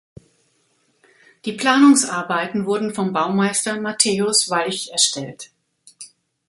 Die Planungsarbeiten wurden vom Baumeister Matthäus Walch erstellt.